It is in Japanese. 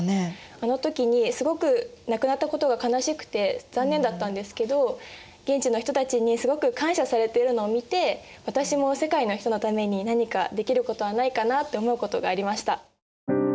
あの時にすごく亡くなったことが悲しくて残念だったんですけど現地の人たちにすごく感謝されてるのを見て私も世界の人のために何かできることはないかなって思うことがありました。